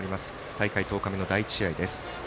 大会１０日目の第１試合です。